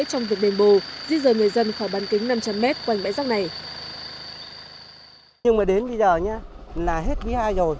trong việc đền bù di dời người dân khỏi bán kính năm trăm linh m quanh bãi rác này